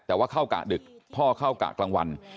แต่ว่าเข้ากะดึกพ่อเข้ากะกลางวัน